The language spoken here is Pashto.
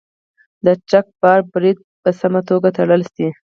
د ټرک بار باید په سمه توګه تړل شي.